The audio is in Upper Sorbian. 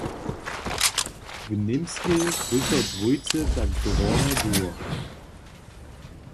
W Němskej by to dwójce tak drohe było.